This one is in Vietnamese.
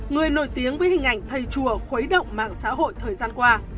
người nổi tiếng với hình ảnh thầy chùa khuấy động mạng xã hội thời gian qua